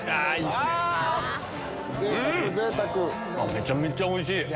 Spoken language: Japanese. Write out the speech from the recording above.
めちゃめちゃおいしい！